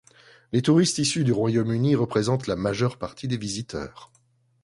Les touristes issus du Royaume-Uni représentent la majeure partie des visiteurs.